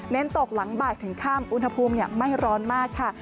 ตกหลังบ่ายถึงค่ำอุณหภูมิไม่ร้อนมากค่ะ